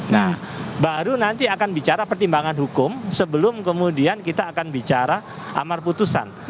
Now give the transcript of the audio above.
nah baru nanti akan bicara pertimbangan hukum sebelum kemudian kita akan bicara amar putusan